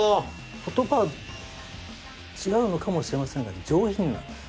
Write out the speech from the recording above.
言葉は違うのかもしれませんがね上品なんです。